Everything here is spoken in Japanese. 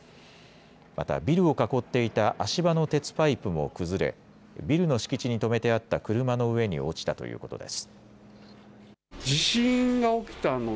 またビルを囲っていた足場の鉄パイプも崩れビルの敷地に止めてあった車の上に落ちたということです。